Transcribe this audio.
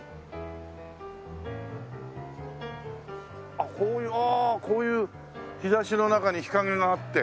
あっこういうああこういう日差しの中に日陰があって。